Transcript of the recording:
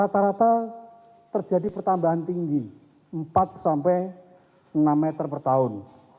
terjadi pertambahan tinggi empat sampai enam meter per tahun